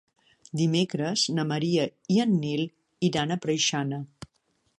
Dimecres na Maria i en Nil iran a Preixana.